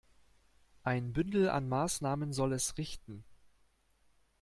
Ein Bündel an Maßnahmen soll es richten.